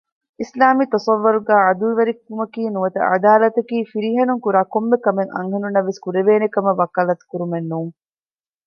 އިސްލާމީ ތަޞައްވުރުގައި ޢަދުލުވެރިވުމަކީ ނުވަތަ ޢަދާލަތަކީ ފިރިހެނުންކުރާކޮންމެ ކަމެއް އަންހެނުންނަށްވެސް ކުރެވޭނެ ކަމަށް ވަކާލާތު ކުރުމެއްނޫން